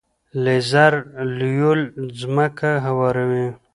لیزر لیول ځمکه هواروي.